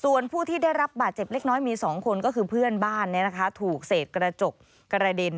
ส่วนผู้ที่ได้รับบาดเจ็บเล็กน้อยมี๒คนก็คือเพื่อนบ้านถูกเศษกระจกกระเด็น